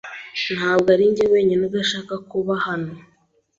Ntabwo arinjye wenyine udashaka kuba hano.